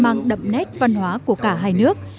mang đậm nét văn hóa của cả hai nước